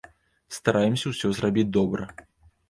Стараемся ўсё зрабіць добра.